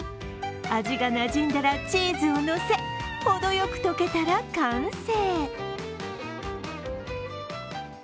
味がなじんだら、チーズをのせほどよく溶けたら完成。